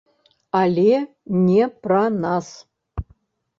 Але не пра нас.